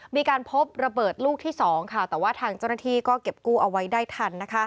มีการพบระเบิดลูกที่๒แต่ว่าทางเจ้าหน้าที่ก็เก็บกู้เอาไว้ได้ทัน